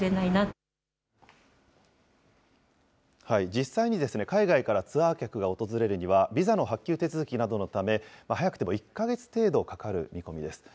実際に海外からツアー客が訪れるには、ビザの発給手続きなどのため、早くても１か月程度かかる見込みです。